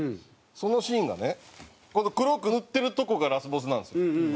そのシーンがねこの黒く塗ってるとこがラスボスなんですよ。